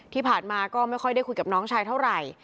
ที่ผ่านมาก็ไม่ค่อยได้คุยกับน้องชายเท่าไหร่